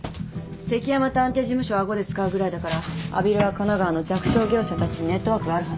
関山探偵事務所を顎で使うぐらいだから阿比留は神奈川の弱小業者たちにネットワークがあるはず。